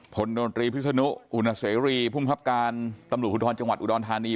โดนตรีพิศนุอุณเสรีภูมิครับการตำรวจภูทรจังหวัดอุดรธานี